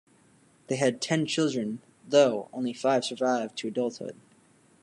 They had ten children, though only five survived to adulthood.